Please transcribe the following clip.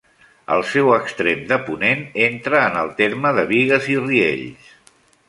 El seu extrem de ponent entra en el terme de Bigues i Riells.